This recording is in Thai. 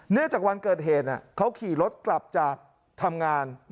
จากวันเกิดเหตุเขาขี่รถกลับจากทำงาน